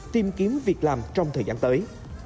tìm kiếm việc làm trong thời gian tới